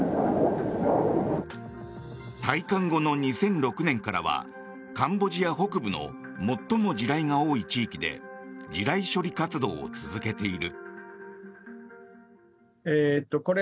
退官後の２００６年からはカンボジア北部の最も地雷が多い地域で地雷処理活動を続けている。